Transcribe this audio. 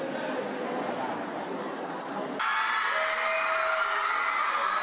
สวัสดีครับ